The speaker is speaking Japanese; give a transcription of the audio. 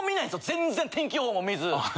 全然天気予報も見ず。